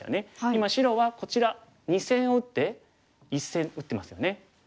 今白はこちら二線を打って一線打ってますよね。